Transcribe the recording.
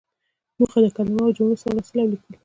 موخه: د کلمو او جملو سم لوستل او ليکل.